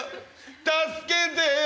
助けてよ。